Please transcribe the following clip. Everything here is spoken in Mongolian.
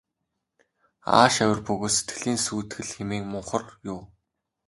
Ааш авир бөгөөс сэтгэлийн сүйтгэл хэмээн мунхар юу.